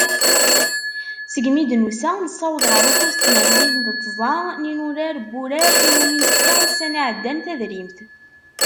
Segmi i d-nusa nessaweḍ ɣar ukkuẓ tmerwin d tẓa n yinurar n wurar iwumi nefka ussan iɛeddan tadrimt.